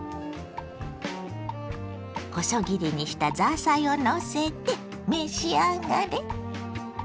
細切りにしたザーサイをのせて召し上がれ。